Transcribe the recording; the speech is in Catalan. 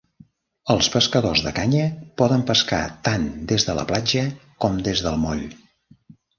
Els pescadors de canya poden pescar tant des de la platja com des del moll.